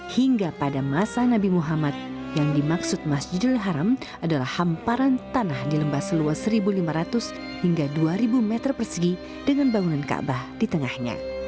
hingga pada masa nabi muhammad yang dimaksud masjidul haram adalah hamparan tanah di lembah seluas satu lima ratus hingga dua ribu meter persegi dengan bangunan kaabah di tengahnya